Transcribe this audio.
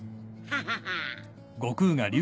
ハハハ。